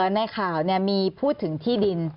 ในข่าวมีพูดถึงที่ดิน